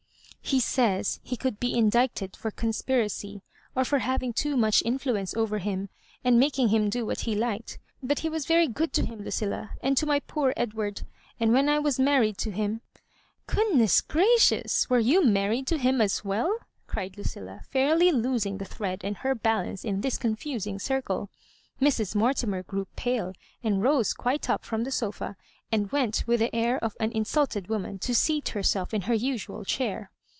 " He says he could be indicted for conspiracy, or for having too much influence over him, and making him do what he liked. But he was very good to him, l4ucilla, and to my poor Edward j and when I was married to him— —'"" Goodness gracious 1 were you married to him as well ?^ cried Lucilla, fairly losing the thread and her balance in this confusing circle. Mrs. Mortimer grew pale, and rose quite up from the sofa, and went with the air of an in sujted woman to scat herself in her usual chair.